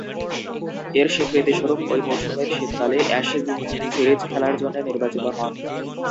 এর স্বীকৃতিস্বরূপ ঐ মৌসুমের শীতকালে অ্যাশেজ সিরিজ খেলার জন্যে নির্বাচিত হন।